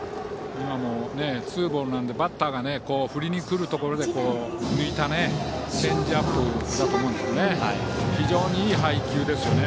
ツーボールなのでバッターが振りに来るところで抜いたチェンジアップだと思うんですけどね。